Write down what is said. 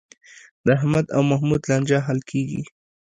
د احمد او محمود لانجه حل کېږي.